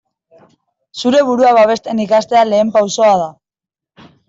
Zeure burua babesten ikastea lehen pausoa da.